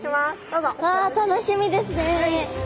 うわ楽しみですね。